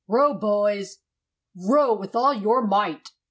"Row, boys, row with all your might!